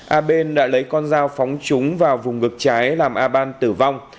a ben đã lấy con dao phóng trúng vào vùng ngực trái làm a ban tử vong